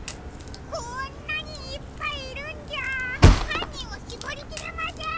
こんなにいっぱいいるんじゃはんにんをしぼりきれません！